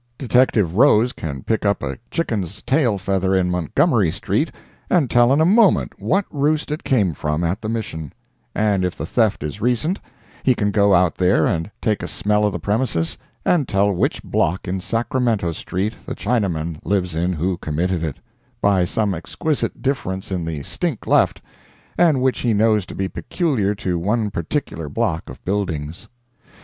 Detective Rose can pick up a chicken's tail feather in Montgomery street and tell in a moment what roost it came from at the Mission; and if the theft is recent, he can go out there and take a smell of the premises and tell which block in Sacramento street the Chinaman lives in who committed it, by some exquisite difference in the stink left, and which he knows to be peculiar to one particular block of buildings.